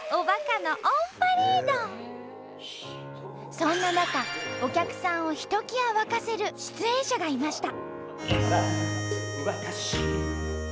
そんな中お客さんをひときわ沸かせる出演者がいました。